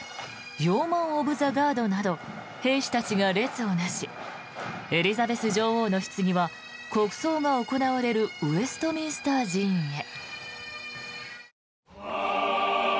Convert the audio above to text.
ヨーマン・オブ・ザ・ガードなど兵士たちが列を成しエリザベス女王のひつぎは国葬が行われるウェストミンスター寺院へ。